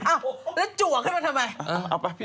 อ้าวแล้วจัวขึ้นมาทำไม